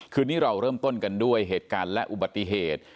คืนนี้เราเริ่มต้นกันด้วยเหตุการณ์และอุบัติเหตุ